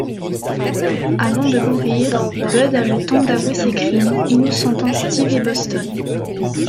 Avant de mourir, Bud a le temps d'avouer ses crimes, innocentant Steve et Boston.